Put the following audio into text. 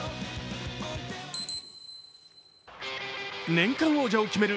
年間王者を決める